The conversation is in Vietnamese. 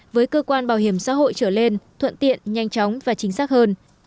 với cơ quan bảo hiểm xã hội trở lên thuận tiện nhanh chóng và chính xác hơn